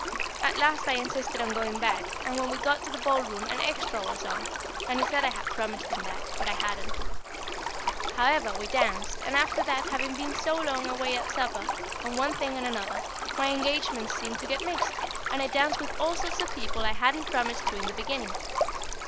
At last I insisted on going back, and when we got to the ballroom an extra was on, and he said I had promised him that, but I hadn't. However, we danced, and after that, having been so long away at supper, and one thing and another, my engagements seemed to get mixed, and I danced with all sorts of people I hadn't promised to in the beginning.